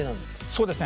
そうですね